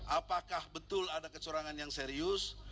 apakah betul ada kecurangan yang serius